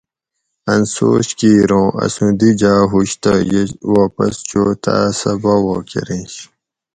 اۤن سوچ کِیر اُوں اسوُں دی جاۤ ہُوش تہ یہ واپس چو تاۤس سہۤ باوہ کۤرینش